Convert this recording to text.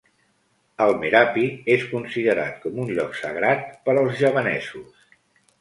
El Merapi és considerat com un lloc sagrat per als javanesos.